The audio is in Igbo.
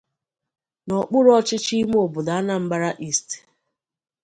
n'okpuru ọchịchị ime obodo 'Anambra East'.